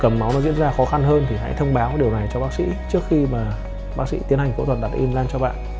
tầm máu nó diễn ra khó khăn hơn thì hãy thông báo điều này cho bác sĩ trước khi mà bác sĩ tiến hành phẫu thuật đặt in rang cho bạn